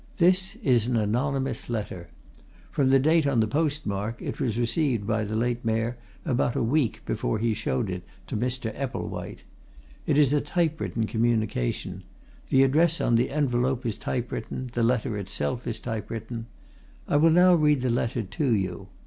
This is an anonymous letter. From the date on the postmark, it was received by the late Mayor about a week before he showed it to Mr. Epplewhite. It is a typewritten communication. The address on the envelope is typewritten; the letter itself is typewritten. I will now read the letter to you.